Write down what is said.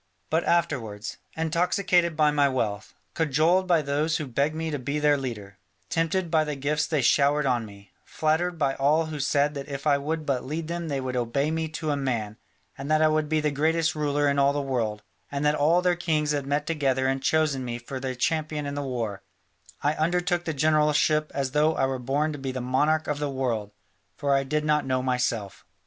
But afterwards, intoxicated by my wealth, cajoled by those who begged me to be their leader, tempted by the gifts they showered on me, flattered by all who said that if I would but lead them they would obey me to a man, and that I would be the greatest ruler in all the world, and that all their kings had met together and chosen me for their champion in the war, I undertook the generalship as though I were born to be the monarch of the world, for I did not know myself.